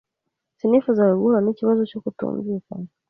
Sinifuzaga guhura n'ikibazo cyo kutumvikana.